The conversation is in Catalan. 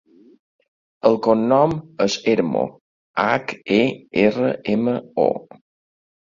El cognom és Hermo: hac, e, erra, ema, o.